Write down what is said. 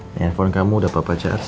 nye phone kamu udah papa charles